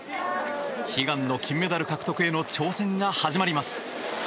悲願の金メダル獲得への挑戦が始まります。